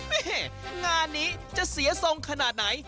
นี่ทุกคนงานนี้จะเสียทรงขนาดไหน